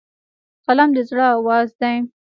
قلم د زړه آواز دی